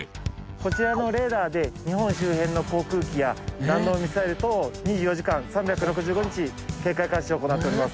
こちらのレーダーで日本周辺の航空機や弾道ミサイル等２４時間３６５日警戒監視を行っております。